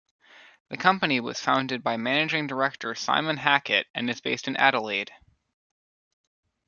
The company was founded by Managing Director Simon Hackett and is based in Adelaide.